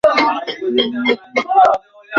সেই ভূমাতেই পরম সুখ, অল্পে সুখ নাই।